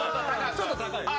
ちょっと高い。